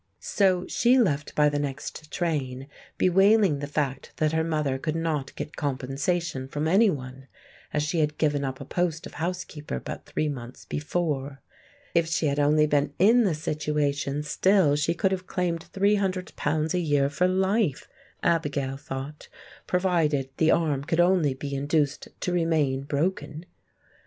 So she left by the next train, bewailing the fact that her mother could not get compensation from anyone, as she had given up a post of housekeeper but three months before; if she had only been in the situation still she could have claimed £300 a year for life, Abigail thought—provided the arm could only be induced to remain broken.